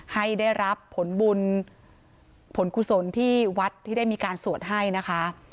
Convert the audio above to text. ให้ได้รับผลบุญผลกุศลที่วัดที่ได้มีการสวดให้นะคะ